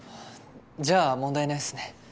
じゃあ問題ないっすね。